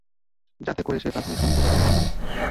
যাতে করে সে প্রাথমিক সন্দেহভাজন হতে পারে।